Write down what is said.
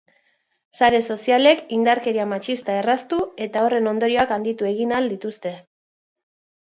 Sare sozialek indarkeria matxista erraztu eta horren ondorioak handitu egin ahal dituzte.